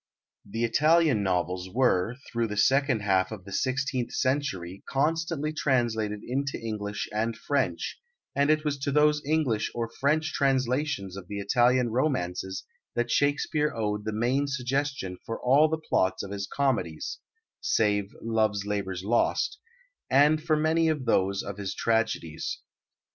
The Italian novels were through the second half of the sixteenth century constantly translated into English and French, and it was to those English or French translations of the Italian romances that Shakespeare owed the main suggestion for all the plots of his comedies (save Love's Labour's Lost) and for many of those of his tragedies.